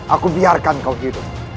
aku biarkan kau hidup